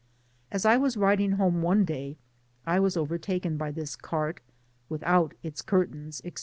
As I was riding home one day, I was over taken by this cart, (without its curtains, &c.)